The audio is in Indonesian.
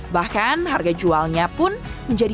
bahkan harga jualnya pun menjadi